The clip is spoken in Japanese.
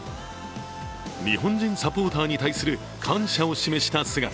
日本人サポーターに対する感謝を示した姿。